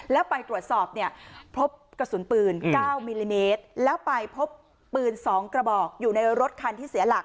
แล้วไปตรวจสอบเนี่ยพบกระสุนปืน๙มิลลิเมตรแล้วไปพบปืน๒กระบอกอยู่ในรถคันที่เสียหลัก